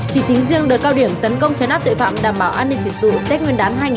chỉ tính riêng đợt cao điểm tấn công trái nắp tội phạm đảm bảo an ninh trật tự tết nguyên đán hai nghìn hai mươi hai